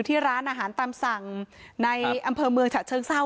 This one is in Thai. ที่ร้านอาหารตามสั่งในอำเภอเมืองฉะเชิงเศร้า